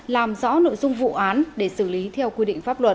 làm rõ nội dung vụ án để xử lý theo quy định pháp luật